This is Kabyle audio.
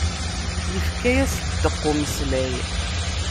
Ifka-yas ddeq n umeslay.